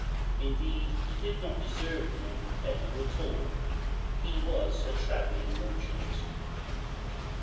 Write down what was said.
Indeed, he did not deserve the name of pedlar at all: he was a travelling merchant.